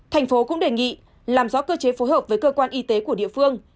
thành phố cũng đề nghị làm rõ cơ chế phối hợp với cơ quan y tế của địa phương